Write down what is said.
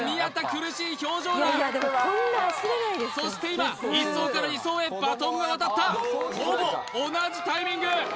苦しい表情だそして今１走から２走へバトンが渡ったほぼ同じタイミング